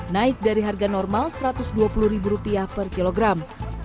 naik dari harga normal rp satu ratus dua puluh per kilogram